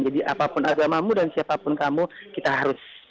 jadi apapun agamamu dan siapapun kamu kita harus bantu mereka